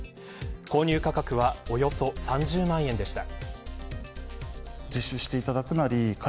購入価格はおよそ３０万円でした。